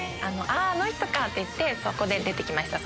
あの人か！っていってそこで出て来ました